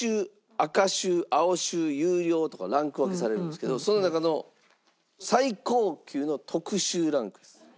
赤秀青秀優品とかランク分けされるんですけどその中の最高級の特秀ランクです。